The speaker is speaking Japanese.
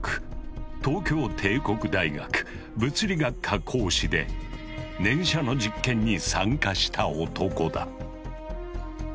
東京帝国大学・物理学科講師で念写の実験に参加した男だ。